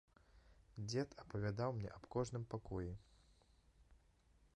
Дзед апавядаў мне аб кожным пакоі.